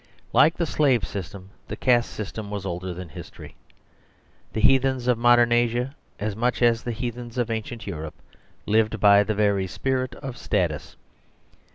Like the slave system, the caste sys tem was older than history. The heathens of modern Asia, as much as the heathens of an cient Europe, lived by the very spirit of status.